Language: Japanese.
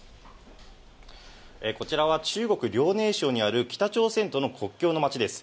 こちらは中国・遼寧省にある北朝鮮との国境の町です。